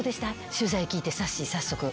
取材聞いてさっしー早速。